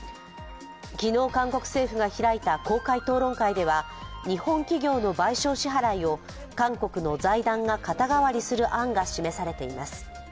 昨日、韓国政府が開いた公開討論会では日本企業の賠償支払いを韓国の財団が肩代わりする案が示されています。